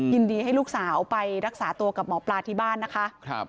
ยินดีให้ลูกสาวไปรักษาตัวกับหมอปลาที่บ้านนะคะ